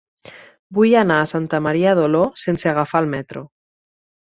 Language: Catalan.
Vull anar a Santa Maria d'Oló sense agafar el metro.